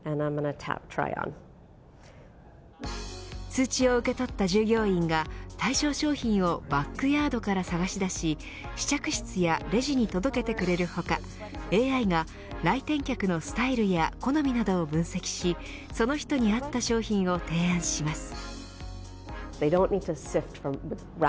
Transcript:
通知を受け取った従業員が対象商品をバックヤードから探し出し試着室やレジに届けてくれる他ＡＩが来店客のスタイルや好みなどを分析しその人に合った商品を提案します。